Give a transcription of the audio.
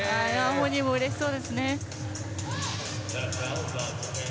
本人もうれしそうですね。